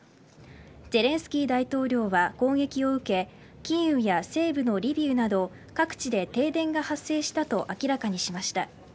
ゼレンスキー大統領は攻撃を受けキーウや西部のリビウなど各地で停電が発生したと明らかにしました。